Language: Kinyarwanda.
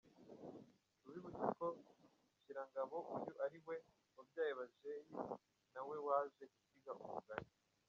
Tubibutse ko Sharangabo uyu ari we wabyaye Bajeyi na we waje gusiga umugani.